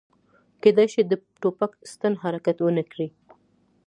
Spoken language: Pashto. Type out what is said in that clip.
کیدای شي د ټوپک ستن حرکت ونه کړي